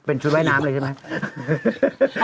เป็นชุดว่ายน้ำเลยใช่ไหม